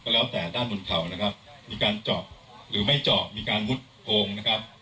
แล้วแต่ด้านบนเขานะครับมีการเจาะหรือไม่เจาะมีการมุดโพงนะครับ